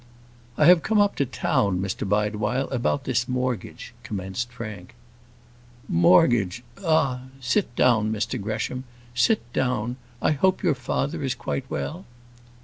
"I have come up to town, Mr Bideawhile, about this mortgage," commenced Frank. "Mortgage ah, sit down, Mr Gresham; sit down. I hope your father is quite well?"